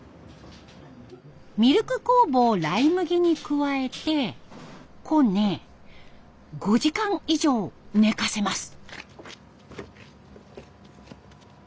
ミルク酵母をライ麦に加えてこね５時間以上寝かせます。